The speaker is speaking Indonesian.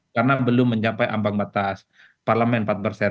karena belum mencapai ambang batas parlemen empat